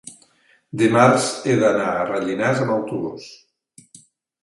dimarts he d'anar a Rellinars amb autobús.